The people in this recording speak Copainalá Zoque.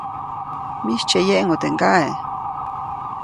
‒Mijtsye yeʼŋu teʼ ŋgaʼe-.